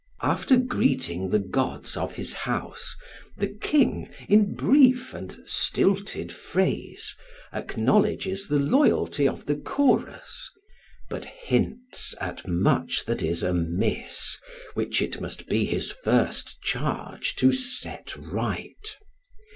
After greeting the gods of his House, the King, in brief and stilted phrase, acknowledges the loyalty of the chorus, but hints at much that is amiss which it must be his first charge to set right.